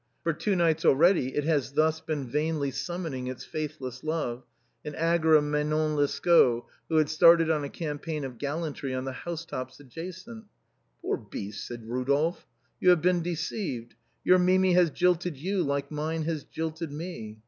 For two nights already it had thus been vainly summoning its faithless love, an angora Manon Lescaut, who had started on a campaign of gallantry on the house tops adjacent. " Poor beast," said Eodolphe, " you have been deceived. Your Mimi has jilted you like mine has jilted me.